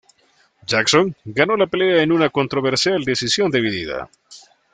Jackson ganó la pelea en una controversial decisión dividida.